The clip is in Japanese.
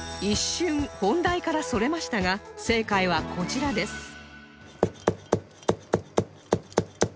一瞬本題からそれましたが正解はこちらです